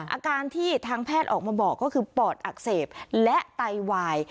อาการที่ทางแพทย์ออกมาบอกก็คือปอดอักเสบและไตวาย